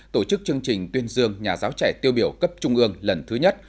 tổ chức chương trình tuyên dương nhà giáo trẻ tiêu biểu cấp trung ương lần thứ nhất